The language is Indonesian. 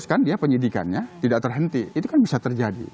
kan dia penyidikannya tidak terhenti itu kan bisa terjadi